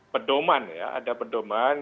pedoman ya ada pedoman